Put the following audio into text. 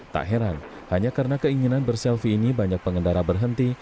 tak heran hanya karena keinginan berselfie ini banyak pengendara berhenti